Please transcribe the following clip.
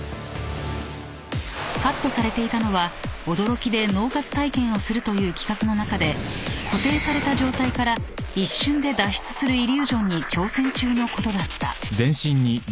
［カットされていたのは驚きで脳活体験をするという企画の中で固定された状態から一瞬で脱出するイリュージョンに挑戦中のことだった］